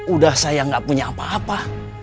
udah saya gak punya apa apa